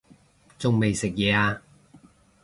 仲未食嘢呀